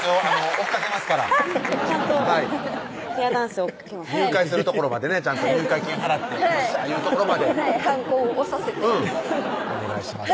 追っかけますからちゃんとペアダンスを入会するところまでねちゃんと入会金払ってよっしゃいうところまではんこを押させてうんお願いします